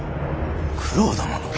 九郎殿の？